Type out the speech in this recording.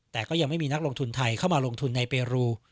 แต่ก็ยังไม่มีนักลงทุนไทยเข้ามาลงทุนในเปรู